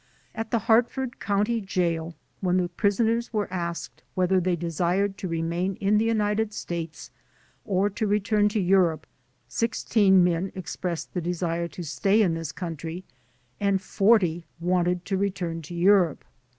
At the Hartford County Jail when the prisoners were asked whether they desired to remain in the United States or to return to Europe, sixteen men expressed the desire to stay in this country and forty wanted to return to Europe.